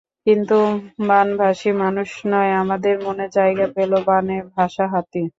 কিন্তু বানভাসি মানুষ নয়, আমাদের মনে জায়গা পেল বানে ভাসা হাতি।